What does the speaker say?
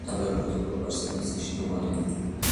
საფეხბურთო კლუბ არსენალის საშინაო არენა.